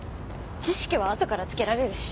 知識はあとからつけられるし。